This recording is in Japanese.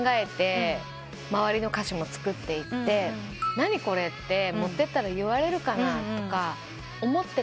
「何これ？」って持ってったら言われるかなとか思ってたんですけど。